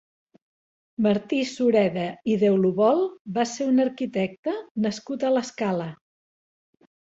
Martí Sureda i Deulovol va ser un arquitecte nascut a l'Escala.